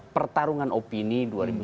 pertarungan opini dua ribu sembilan belas